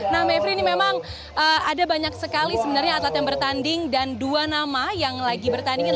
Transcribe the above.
nah mevri ini memang ada banyak sekali sebenarnya atlet yang bertanding dan dua nama yang lagi bertanding